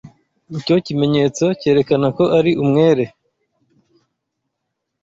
Icyo kimenyetso cyerekana ko ari umwere.